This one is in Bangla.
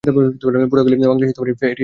পটুয়াখালী, বাংলাদেশে এটির সদরদপ্তর অবস্থিত।